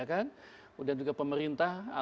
kemudian juga pemerintah